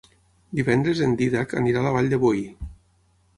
Divendres en Dídac anirà a la Vall de Boí.